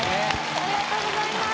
ありがとうございます！